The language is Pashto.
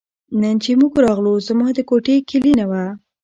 نن چې موږ راغلو زما د کوټې کیلي نه وه.